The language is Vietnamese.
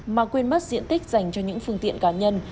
mà quên mất diện tích dành cho những phương tiện cá nhân